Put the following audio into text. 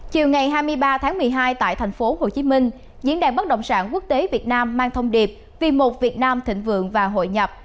chiều ngày hai mươi ba tháng một mươi hai tại thành phố hồ chí minh diễn đàn bất động sản quốc tế việt nam mang thông điệp vì một việt nam thịnh vượng và hội nhập